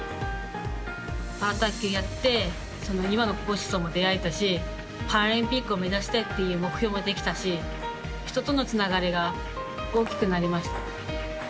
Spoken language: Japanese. パラ卓球やって今のコーチとも出会えたしパラリンピックを目指したいっていう目標もできたし人とのつながりが大きくなりました。